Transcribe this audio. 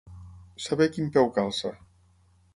Saber quin peu calça.